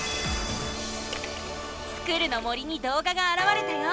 スクる！の森にどうががあらわれたよ！